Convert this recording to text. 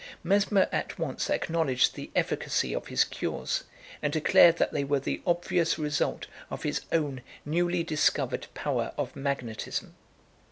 Mesmer at once acknowledged the efficacy of his cures, and declared that they were the obvious result of his own newly discovered power of magnetism.